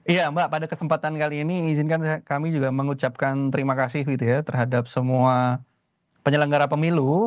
iya mbak pada kesempatan kali ini izinkan kami juga mengucapkan terima kasih terhadap semua penyelenggara pemilu